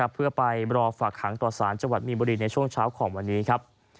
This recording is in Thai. เพื่อไปรอฝากหางต่อสารจังหวัดมีนบุรีในช่วงเช้าของวันนี้ครับ